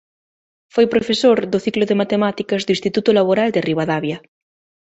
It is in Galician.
Foi profesor do ciclo de Matemáticas do Instituto Laboral de Ribadavia.